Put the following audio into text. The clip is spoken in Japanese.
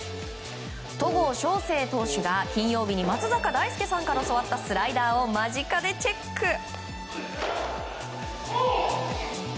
戸郷翔征投手が金曜日に松坂大輔さんから教わったスライダーを間近でチェック。